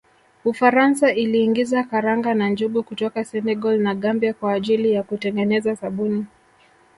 Ufaransa iliingiza karanga na njugu kutoka Senegal na Gambia kwa ajili ya kutengeneza sabuni